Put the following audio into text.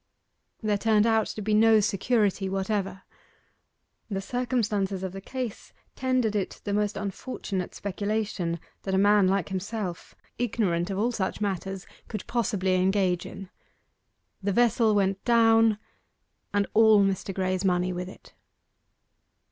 There turned out to be no security whatever. The circumstances of the case tendered it the most unfortunate speculation that a man like himself ignorant of all such matters could possibly engage in. The vessel went down, and all Mr. Graye's money with it.